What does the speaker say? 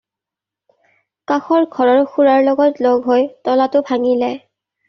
কাষৰ ঘৰৰ খুৰাৰ লগত লগ হৈ তলাটো ভাঙিলে।